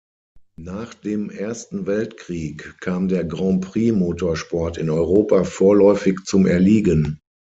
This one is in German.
Nach dem Ersten Weltkrieg kam der Grand-Prix-Motorsport in Europa vorläufig zum Erliegen.